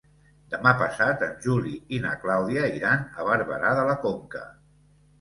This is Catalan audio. Demà passat en Juli i na Clàudia iran a Barberà de la Conca.